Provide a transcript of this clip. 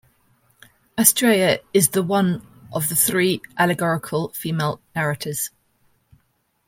Astrea is the one of the three allegorical female narrators.